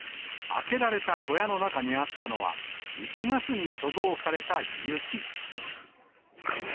開けられた小屋の中にあったのは、１月に貯蔵された雪。